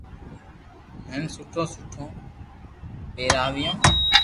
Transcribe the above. ھين سٺو سٺو پيراويو